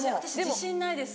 自信ないです。